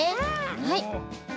はい。